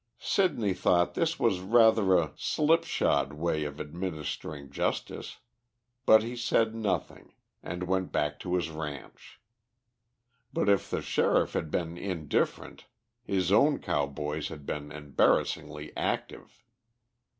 Sidney thought this was rather a slipshod way of administering justice, but he said nothing, and went back to his ranch. But if the Sheriff had been indifferent, his own cowboys had been embarrassingly active.